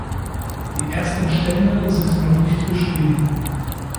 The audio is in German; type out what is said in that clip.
Die ersten Stände sind noch nicht beschrieben.